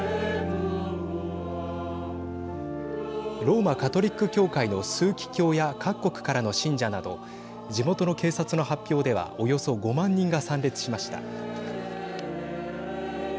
ローマ・カトリック教会の枢機卿や各国からの信者など地元の警察の発表ではおよそ５万人が参列しました。